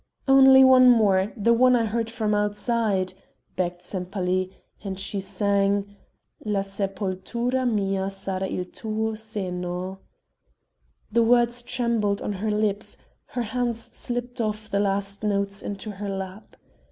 "Only one more the one I heard from outside," begged Sempaly, and she sang: "La sepoltura mia sara il tuo seno...." The words trembled on her lips; her hands slipped off the last notes into her lap.